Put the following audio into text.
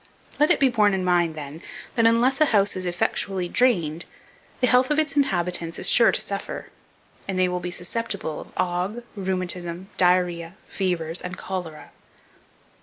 Let it be borne in mind, then, that unless a house is effectually drained, the health of its inhabitants is sure to suffer; and they will be susceptible of ague, rheumatism, diarrhoea, fevers, and cholera.